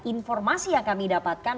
informasi yang kami dapatkan